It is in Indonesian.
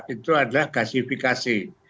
itu adalah gasifikasi